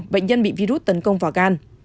bệnh nhân bị virus tấn công vào gan